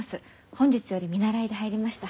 本日より見習いで入りました。